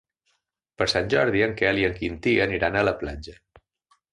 Per Sant Jordi en Quel i en Quintí aniran a la platja.